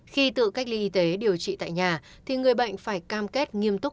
khi tự cách ly y tế điều trị tại nhà thì người bệnh phải cam kết nghiêm túc